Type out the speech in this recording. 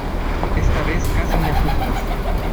Esta vez casi me asustas.